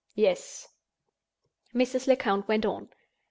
"Yes." Mrs. Lecount went on.